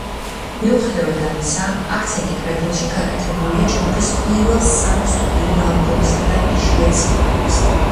მიუხედავად ამისა, აქცენტი კრებულში გაკეთებულია ჯგუფის პირველ სამ სტუდიურ ალბომსა და იშვიათ სიმღერებზე.